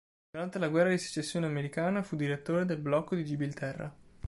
Durante la guerra di secessione americana fu direttore del blocco di Gibilterra.